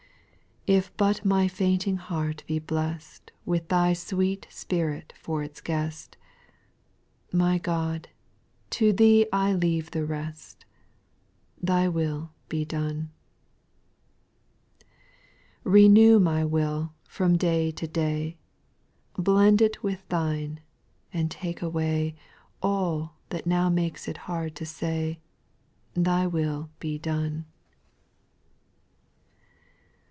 4. If but my fainting heart be blest With Thy sweet Spirit for its guest, My God, to Thee I leave the rest, —" Thy will be done." 6./ Renew my will from day to day, Blend it with Thine, and take away All that now makes it hard to say, " Thy will be done."